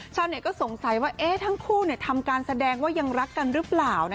ชาวเน็ตก็สงสัยว่าทั้งคู่ทำการแสดงว่ายังรักกันหรือเปล่า